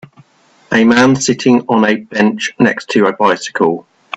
A man sitting on a bench next to a bicycle.